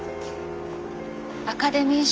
アカデミー賞